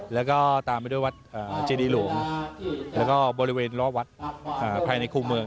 แล้วก็ตามไปด้วยวัดจิฤหลวงและบริเวณรถวัดในคู่เมือง